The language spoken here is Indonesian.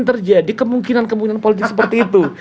terjadi kemungkinan kemungkinan politik seperti itu